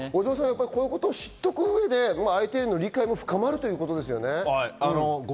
こういうことを知っておくことで相手への理解も深まるということですね。